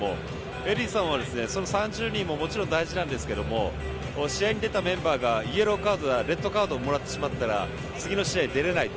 エディーさんは３０人ももちろん大事ですが試合に出たメンバーがイエローカードやレッドカードをもらったら次の試合、出られない。